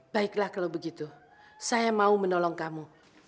baiklah kalau begitu saya mau menolong kamu